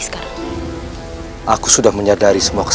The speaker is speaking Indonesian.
kau dengar itu